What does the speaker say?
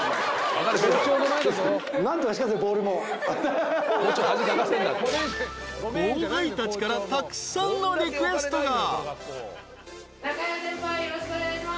［後輩たちからたくさんのリクエストが］